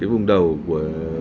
vùng đầu của